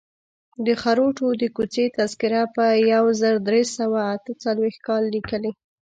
د خروټو د کوڅې تذکره په یو زر درې سوه اته څلویښت کال لیکلې.